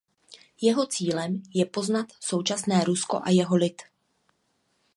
Jeho cílem je poznat současné Rusko a jeho lid.